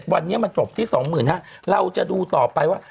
วันนี้มันจบที่๒๕๐๐บาทเราจะดูต่อไปว่า